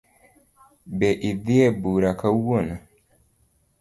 Be idhi ebura kawuono?